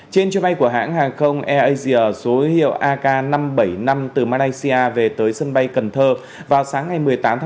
trên chuyến bay của hãng hàng không airasia số hiệu ak năm trăm bảy mươi năm từ malaysia về tới sân bay cần thơ vào sáng ngày một mươi tám ba hai nghìn hai mươi